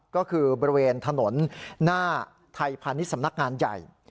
ก็คือบริเวณถนนหน้าไทยพาณิชย์สำนักงานใหญ่